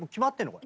これ。